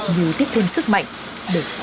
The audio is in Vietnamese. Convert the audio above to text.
nhiều tiếp thêm sức mạnh được giải cứu